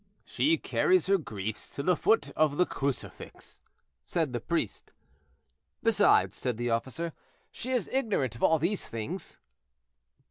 "She carries her griefs to the foot of the crucifix," said the priest. "Besides," said the officer, "she is ignorant of all these things."